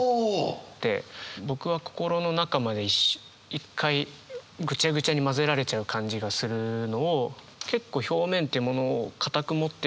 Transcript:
僕は心の中まで一回ぐちゃぐちゃに混ぜられちゃう感じがするのを結構表面っていうものを固く持ってるのかなって思いました。